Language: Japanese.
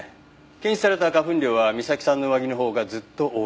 検出された花粉量はみさきさんの上着のほうがずっと多い。